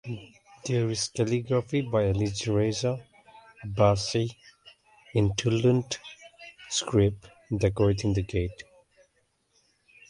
There is calligraphy by Alireza Abbasi in thuluth script decorating the gate.